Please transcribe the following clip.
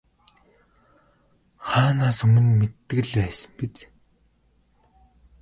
Хаанаас өмнө мэддэг л байсан биз.